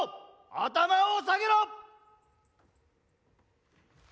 頭を下げろ！